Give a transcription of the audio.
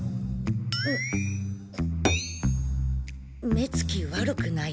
目つき悪くない？